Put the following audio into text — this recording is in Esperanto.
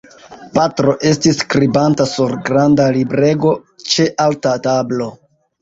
Patro estis skribanta sur granda librego ĉe alta tablo.